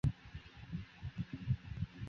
患者需要以透析来弥补其肾脏的功能。